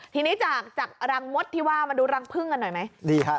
ทีนี้จากจากรังมดที่ว่ามาดูรังพึ่งกันหน่อยไหมดีฮะ